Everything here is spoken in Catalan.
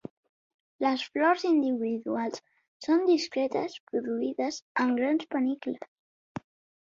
Les flors individuals són discretes, produïdes en grans pannicles.